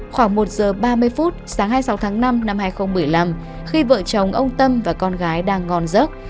khoảng một giờ ba mươi phút sáng hai mươi sáu tháng năm năm hai nghìn một mươi năm khi vợ chồng ông tâm và con gái đang ngon giấc